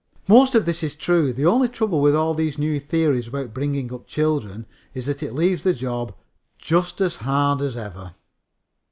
Most of this is true. The only trouble with all the new theories about bringing up children is that it leaves the job just as hard as ever.